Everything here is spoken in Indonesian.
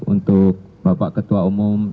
untuk bapak ketua umum